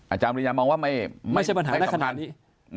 อาจารย์มีริยามมองว่าไม่ใช่ปัญหาน่าขนาดนี้